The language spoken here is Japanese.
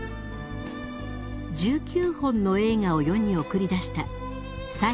１９本の映画を世に送り出した崔洋一さん。